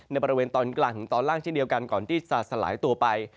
ในบริเวณตอนกลางถึงตอนล่างเช่นเดียวกันก่อนที่จะสลายตัวไป